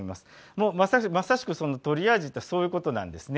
もうまさしくトリアージとはそういうことなんですね。